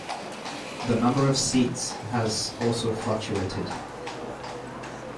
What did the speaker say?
The number of seats has also fluctuated.